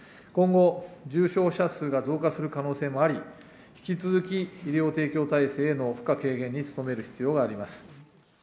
今後、重症者数が増加する可能性もあり、引き続き医療提供体制への負荷軽減に努める必要があります。